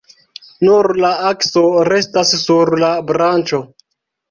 Nur la akso restas sur la branĉo.